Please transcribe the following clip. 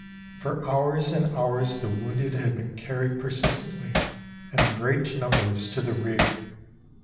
For hours and hours the wounded had been carried persistently and in great numbers to the rear.